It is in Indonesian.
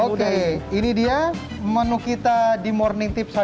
oke ini dia menu kita di morning tips